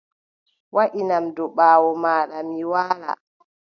Waʼinam dow ɓaawo maaɗa mi waala.